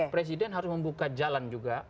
presiden harus membuka jalan juga